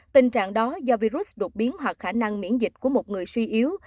tình trạng đó do virus đột biến hoặc khả năng miễn dịch của một người suy yếu